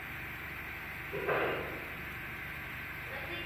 Evropská práva duševního vlastnictví získají lepší ochranu.